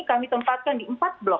kami tempatkan di empat blok